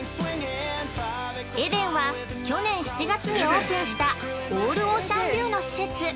◆エデンは、去年７月にオープンしたオールオーシャンビューの施設。